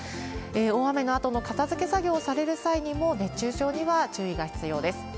大雨のあとの片づけ作業をされる際にも、熱中症には注意が必要です。